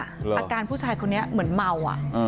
อาการผู้ชายคนนี้เหมือนเมา